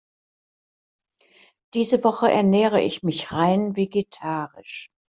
Diese Woche ernähre ich mich rein vegetarisch.